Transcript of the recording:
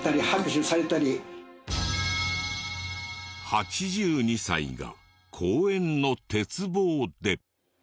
８２歳が公園の鉄棒で。